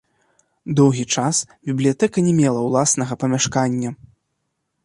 Доўгі час бібліятэка не мела ўласнага памяшкання.